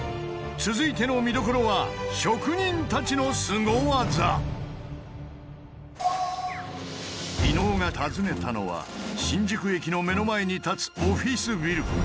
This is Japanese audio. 続いての見どころは伊野尾が訪ねたのは新宿駅の目の前に立つオフィスビル。